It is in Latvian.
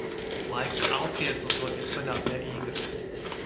Laiks auties un doties ceļā pie Ingas!